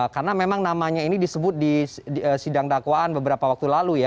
karena memang namanya ini disebut di sidang dakwaan beberapa waktu lalu